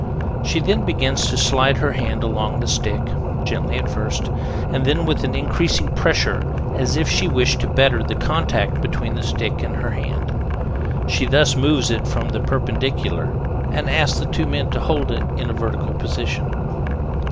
She then begins to slide her hand along the stick, gently at first, and then with an increasing pressure, as if she wished to better the contact between the stick and her hand. She thus moves it from the perpendicular and asks the two men to hold it in a vertical position.